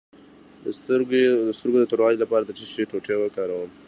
د سترګو د توروالي لپاره د څه شي ټوټې وکاروم؟